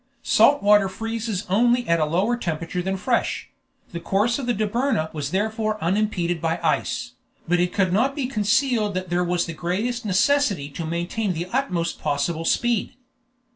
Salt water freezes only at a lower temperature than fresh; the course of the Dobryna was therefore unimpeded by ice, but it could not be concealed that there was the greatest necessity to maintain the utmost possible speed.